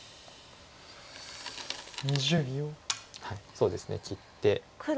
そうですね切って。